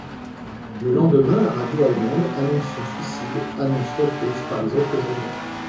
Le lendemain, la radio allemande annonce son suicide, annonce reprise par les autres journaux.